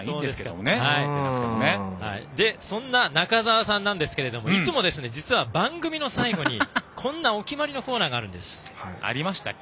そんな中澤さんですがいつも実は番組の最後にこんなお決まりのコーナーがあるんです。